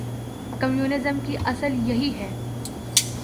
Communism کی اصل یہی ہے۔